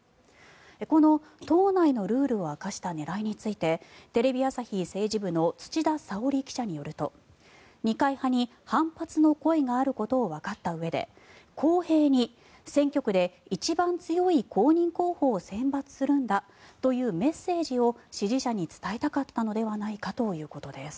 この党内のルールを明かした狙いについてテレビ朝日政治部の土田沙織記者によると二階派に反発の声があることをわかったうえで公平に選挙区で一番強い公認候補を選抜するんだというメッセージを支持者に伝えたかったのではないかということです。